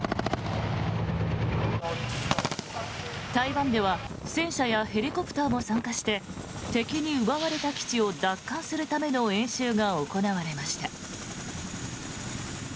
台湾では戦車やヘリコプターも参加して敵に奪われた基地を奪還するための演習が行われました。